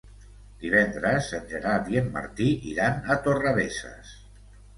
Divendres en Gerard i en Martí iran a Torrebesses.